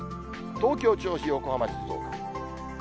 東京、銚子、横浜、静岡。